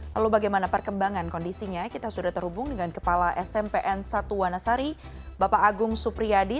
lalu bagaimana perkembangan kondisinya kita sudah terhubung dengan kepala smpn satu wanasari bapak agung supriyadi